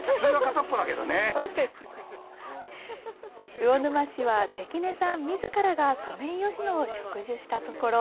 魚沼市は関根さんみずからがソメイヨシノを植樹したところ。